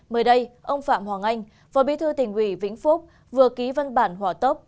mới đây ông phạm hoàng anh phó bí thư tỉnh ủy vĩnh phúc vừa ký văn bản hỏa tốc